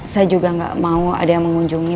saya juga nggak mau ada yang mengunjungi